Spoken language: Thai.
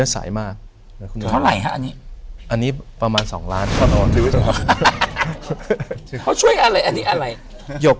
ถ้าหล่นไปแล้วหัก